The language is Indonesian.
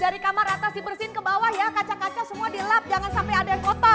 debu debu tuh ada ya